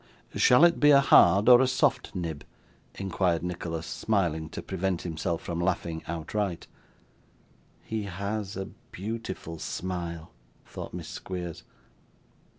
'Shall it be a hard or a soft nib?' inquired Nicholas, smiling to prevent himself from laughing outright. 'He HAS a beautiful smile,' thought Miss Squeers.